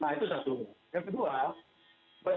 bagi saya dan mungkin juga saya yakin